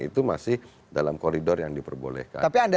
itu masih dalam koridor yang diperbolehkan